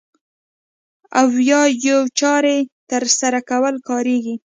او یا یوې چارې ترسره کولو لپاره کاریږي.